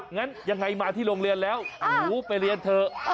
งั้นยังไงมาที่โรงเรียนแล้วหนูไปเรียนเถอะ